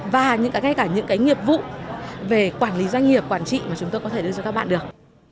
và ngay cả những cái nghiệp vụ về quản lý doanh nghiệp quản trị mà chúng tôi có thể đưa cho các bạn được